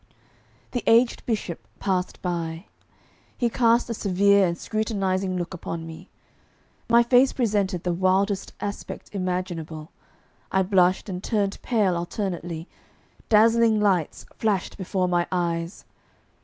The aged bishop passed by. He cast a severe and scrutinising look upon me. My face presented the wildest aspect imaginable: I blushed and turned pale alternately; dazzling lights flashed before my eyes.